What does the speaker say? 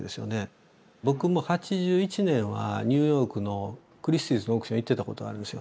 僕も８１年はニューヨークのクリスティーズのオークション行ってたことあるんですよ。